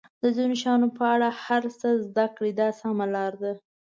د ځینو شیانو په اړه هر څه زده کړئ دا سمه لار ده.